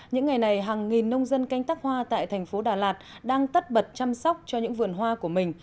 những ngày này hàng nghìn nông dân canh tác hoa tại thành phố đà lạt đang tất bật chăm sóc cho những vườn hoa của mình